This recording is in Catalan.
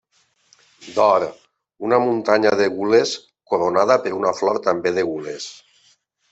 D'or, una muntanya de gules coronada per una flor també de gules.